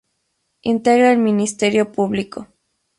Integra el Ministerio Público.